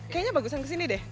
kayaknya bagusan ke sini deh